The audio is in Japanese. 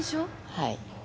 はい。